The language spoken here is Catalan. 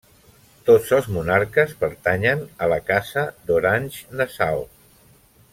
Tots els monarques pertanyen a la Casa d'Orange-Nassau.